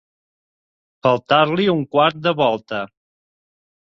Faltar-li un quart de volta.